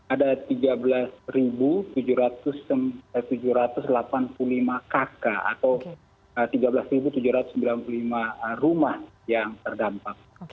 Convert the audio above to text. ada tiga belas tujuh ratus delapan puluh lima kakak atau tiga belas tujuh ratus sembilan puluh lima rumah yang terdampak